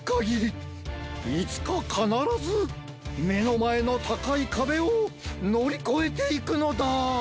いつかかならずめのまえのたかいかべをのりこえていくのだ！